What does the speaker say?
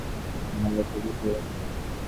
আমি আলাপ করতে ভালোবাসি।